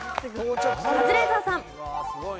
カズレーザーさん。